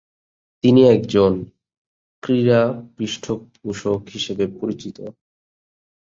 তিনি একজন ক্রীড়া পৃষ্ঠপোষক হিসেবে পরিচিত।